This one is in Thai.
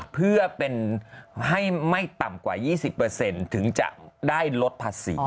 เพื่อเป็นให้ไม่ต่ำกว่า๒๐ถึงจะได้ลดภาษี